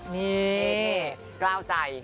นี่กล้าวใจ